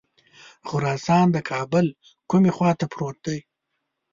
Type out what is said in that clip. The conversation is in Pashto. خراسان د کابل کومې خواته پروت دی.